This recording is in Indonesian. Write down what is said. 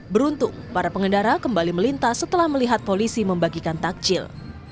beruntung para pengendara kembali melintas setelah melihat polisi membagikan takjil